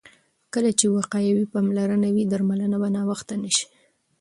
کله چې وقایوي پاملرنه وي، درملنه به ناوخته نه شي.